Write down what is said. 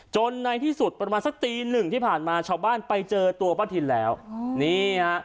ในที่สุดประมาณสักตีหนึ่งที่ผ่านมาชาวบ้านไปเจอตัวป้าทินแล้วนี่ฮะ